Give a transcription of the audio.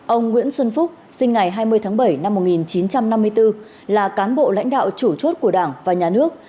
ông nguyễn xuân phúc sinh ngày hai mươi tháng bảy năm một nghìn chín trăm năm mươi bốn là cán bộ lãnh đạo chủ chốt của đảng và nhà nước